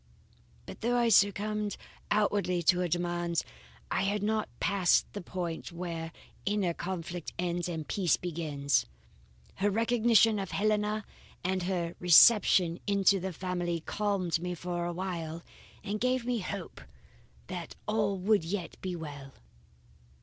"But though I succumbed outwardly to her demands, I had not passed the point where inner conflict ends and peace begins. Her recognition of Helena and her reception into the family calmed me for a while, and gave me hope that all would yet be well.